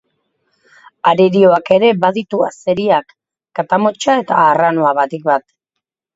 Arerioak ere baditu azeriak: katamotza eta arranoa batik bat.